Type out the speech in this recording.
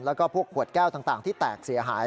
แล้วก็พวกขวดแก้วต่างที่แตกเสียหาย